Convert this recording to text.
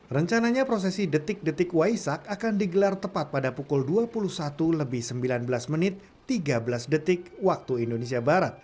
rencananya prosesi detik detik waisak akan digelar tepat pada pukul dua puluh satu lebih sembilan belas menit tiga belas detik waktu indonesia barat